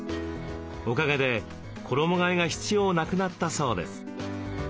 おかげで衣替えが必要なくなったそうです。